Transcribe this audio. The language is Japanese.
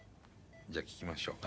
じゃあ聴きましょう。